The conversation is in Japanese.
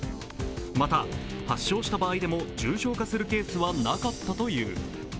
また、発症した場合でも重症化するケースはなかったという。